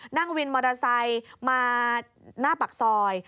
นั่งวินมอเตอร์ไซค์มาหน้าปากซอย